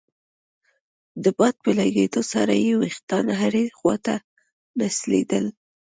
د باد په لګېدو سره يې ويښتان هرې خوا ته نڅېدل.